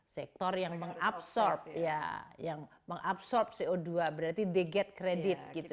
sektor yang mengabsorb co dua berarti they get credit